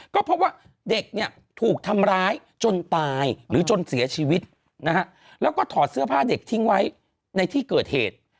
ก็พบว่าเด็กเนี่ยถูกทำร้ายจนตายหรือจนเสียชีวิตนะฮะแล้วก็ถอดเสื้อผ้าเด็กทิ้งไว้ในที่เกิดเหตุ